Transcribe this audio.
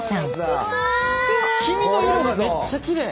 黄身の色がめっちゃきれい。